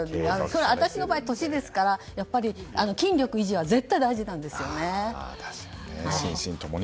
私の場合、年なので筋力維持は絶対大事なんですよね。